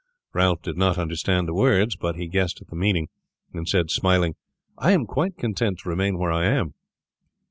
Ralph did not understand the words but he guessed at the meaning, and said, smiling, "I am quite content to remain where I am."